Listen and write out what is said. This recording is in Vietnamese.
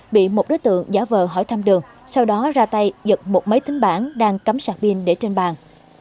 bị một đối tượng giả vờ hỏi thăm đường sau đó ra tay giật một máy tính bản đang cắm sạc pin để trên bàn